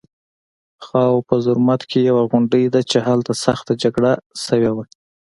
خاوو په زرمت کې یوه غونډۍ ده چې هلته سخته جګړه شوې وه